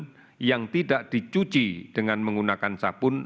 jadi sentuhan tangan yang tidak dicuci dengan menggunakan sabun